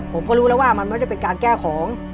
ผมก็รู้แล้วว่ามันไม่ได้เป็นการแก้ของ